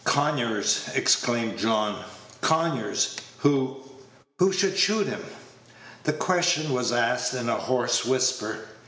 "Conyers!" exclaimed John. "Conyers! who who should shoot him?" The question was asked in a hoarse whisper.